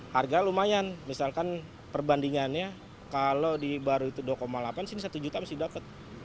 harga lumayan misalkan perbandingannya kalau di baru itu dua delapan sini satu juta mesti dapat